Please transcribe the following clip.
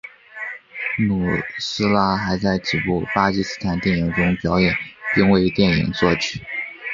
努斯拉还在几部巴基斯坦电影中表演并为电影作曲。